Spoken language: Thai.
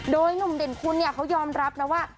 โดยนุ่มเด่นคุณเขายอมรับนะว่า